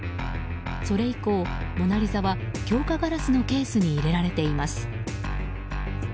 それ以降、「モナリザ」は強化ガラスのケースに入れられています。